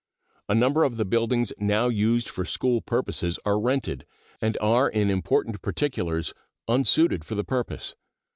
A number of the buildings now used for school purposes are rented, and are in important particulars unsuited for the purpose.